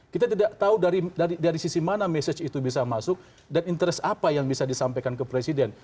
kita tidak tahu dari sisi mana message itu bisa masuk dan interest apa yang bisa disampaikan ke presiden